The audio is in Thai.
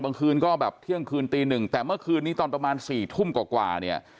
คืนก็แบบเที่ยงคืนตีหนึ่งแต่เมื่อคืนนี้ตอนประมาณ๔ทุ่มกว่าเนี่ย